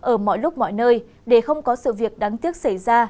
ở mọi lúc mọi nơi để không có sự việc đáng tiếc xảy ra